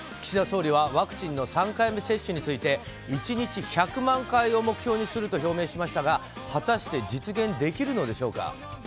岸田総理はワクチンの３回目接種について１日１００万回を目標にすると表明しましたが果たして実現できるのでしょうか。